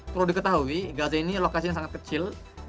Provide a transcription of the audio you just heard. perlu diketahui gaza ini lokasi yang sangat kecil